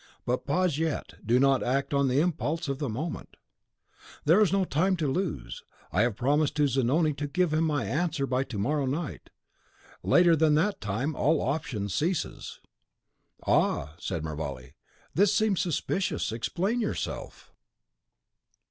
But pause yet, do not act on the impulse of the moment." "But there is no time to lose. I have promised to Zanoni to give him my answer by to morrow night. Later than that time, all option ceases." "Ah!" said Mervale, "this seems suspicious. Explain yourself."